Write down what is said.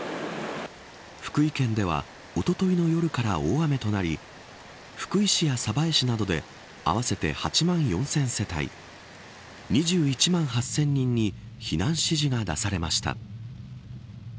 福井県ではおとといの夜から大雨となり福井市や鯖江市などで合わせて８万４０００世帯２１万８０００人に避難指示が出されました。